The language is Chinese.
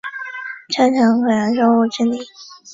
加强可燃物清理